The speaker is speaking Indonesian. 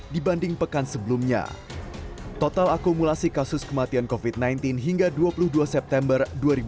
dibanding pekan sebelumnya total akumulasi kasus kematian covid sembilan belas hingga dua puluh dua september